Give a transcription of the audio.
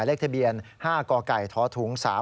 เล็กทะเบียน๕กทถ๓๖๔๖